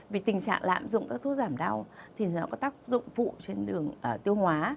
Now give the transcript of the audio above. vì tình trạng lạm dụng các thuốc giảm đau thì nó có tác dụng phụ trên đường tiêu hóa